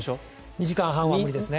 ２時間半は無理ですね。